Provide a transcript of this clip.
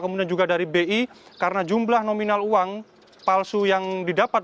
kemudian juga dari bi karena jumlah nominal uang palsu yang didapat